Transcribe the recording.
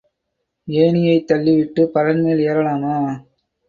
ஏணியைத் தள்ளிவிட்டுப் பரண்மேல் ஏறலாமா?